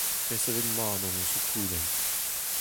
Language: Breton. Resevet mat hon eus ho koulenn.